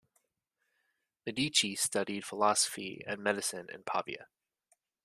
Medici studied philosophy and medicine in Pavia.